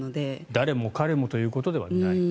誰も彼もということではないと。